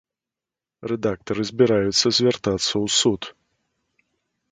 Рэдактары збіраюцца звяртацца ў суд.